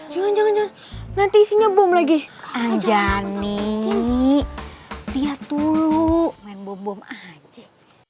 jangan jangan nanti isinya bom lagi aja nih lihat dulu main bom bom aja